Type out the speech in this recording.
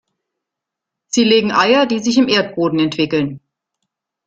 Sie legen Eier, die sich im Erdboden entwickeln.